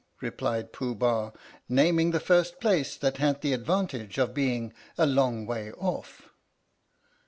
replied Pooh Bah, naming the first place that had the advantage of being a long way off.